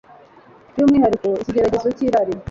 byumwihariko ikigeragezo cyirari